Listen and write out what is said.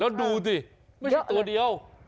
แล้วดูสิไม่ใช่ตัวเดียว